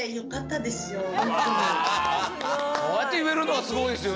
わすごい！